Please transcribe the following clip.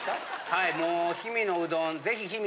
はいもう氷見のうどん。